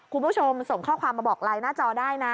คุณผู้ชมส่งข้อความมาบอกไลน์หน้าจอได้นะ